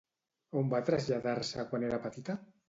On va traslladar-se quan era petita?